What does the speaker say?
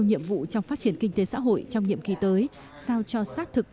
nhiệm vụ trong phát triển kinh tế xã hội trong nhiệm kỳ tới sao cho sát thực